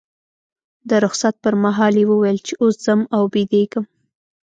د رخصت پر مهال یې وویل چې اوس ځم او بیدېږم.